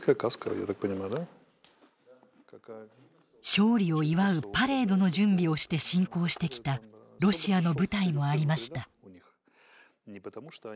勝利を祝うパレードの準備をして侵攻してきたロシアの部隊もありました。